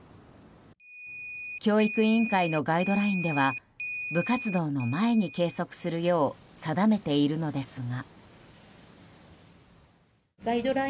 教育委員会のガイドラインでは部活動の前に計測するよう定めているのですが。